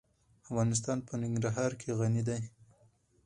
افغانستان په ننګرهار غني دی.